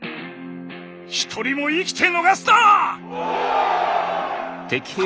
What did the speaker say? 一人も生きて逃すな！